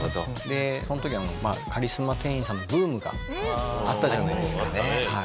その時カリスマ店員さんのブームがあったじゃないですか。